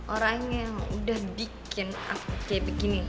orang yang udah bikin aku kayak begini